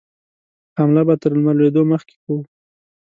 حمله به تر لمر لوېدو مخکې کوو.